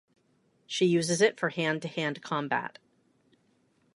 She uses it for hand-to-hand combat.